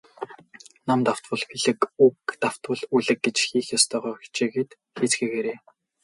Ном давтвал билиг, үг давтвал улиг гэж хийх ёстойгоо хичээгээд хийцгээгээрэй.